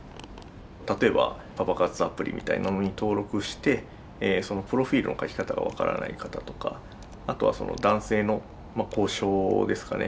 例えばパパ活アプリみたいなのに登録してプロフィールの書き方が分からない方とかあとは男性の交渉ですかね。